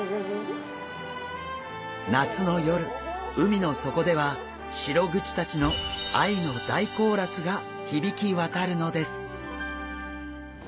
夏の夜海の底ではシログチたちの愛の大コーラスが響き渡るのです。